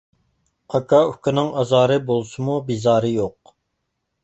ئاكا-ئۇكىنىڭ ئازارى بولسىمۇ، بىزارى يوق.